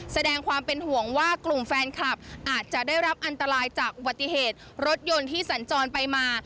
แสดงความเป็นห่วงว่ากลุ่มแฟนคลับอาจจะได้รับอันตรายจากอุบัติเหตุรถยนต์ที่สัญจรไปมา